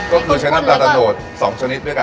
ก็คือใช้น้ำตาลตะโนด๒ชนิดด้วยกัน